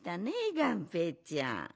がんぺーちゃん。